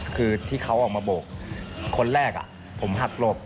คือที่เขาออกมาโบกคนแรกผมหักหลบ